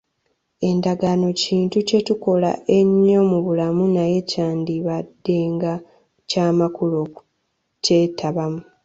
Endagaano kintu kye tukola ennyo mu bulamu naye kyandibaddenga kya makulu okukyetabamu.